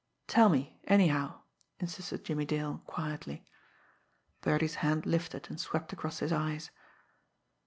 "Tell me, anyhow," insisted Jimmie Dale quietly. Birdie's hand lifted and swept across his eyes.